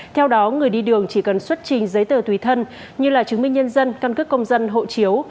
theo đó người đi đường chỉ cần xuất trình giấy tờ tùy thân như là chứng minh nhân dân căn cước công dân hộ chiếu